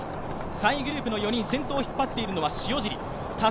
３位グループの４人、先頭を引っ張っているのは塩尻。